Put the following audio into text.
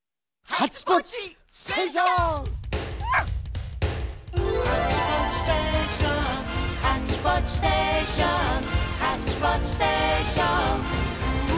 「ハッチポッチステーションハッチポッチステーション」「ハッチポッチステーション」